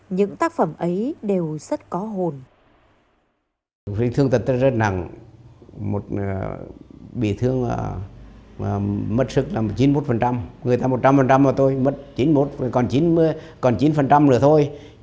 những tác phẩm ấy đều rất có hồn